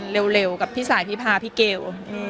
เร็วกับพี่สายพี่พาพี่เกล